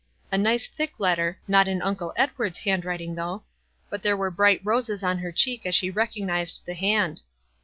A nice, thick let ter, not in Uncle Edward's handwriting, though ; but there were bright roses on her cheek as she recognized the hand.